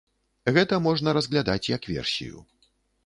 Гэта можна разглядаць, як версію.